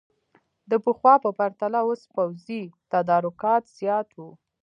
د پخوا په پرتله اوس پوځي تدارکات زیات وو.